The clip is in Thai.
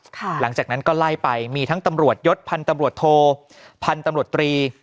หลังจากนั้นก็ไล่ไปมีทั้งตำรวจยศพันธ์ตำรวจโทพันธุ์ตำรวจตรี